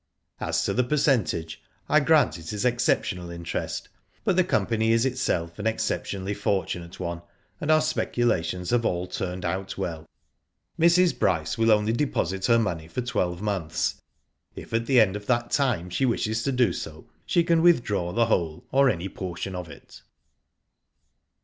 As to the percentage, I grant it is exceptional interest, but the company is itself an exceptionally fortunate orie^ and our speculations have all turned out well. "Mrs. Bryce will only deposit her money for twelve months. If at the end of that time she wishes to do so, she can withdraw the whole, or any portion of it."